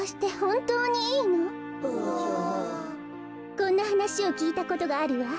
こんなはなしをきいたことがあるわ。